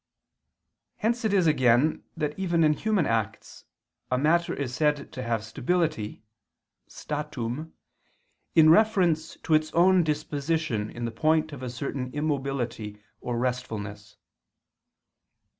Hence it is again that even in human acts, a matter is said to have stability (statum) in reference to its own disposition in the point of a certain immobility or restfulness.